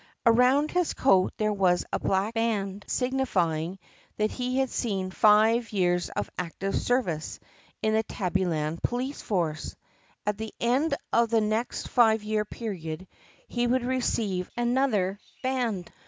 Around his coat there was a black band signifying that he had seen five years of active service in the Tabbyland police force. At the end of the next five year period he would receive another band.